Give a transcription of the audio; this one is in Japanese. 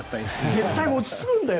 絶対に落ち着くんだよ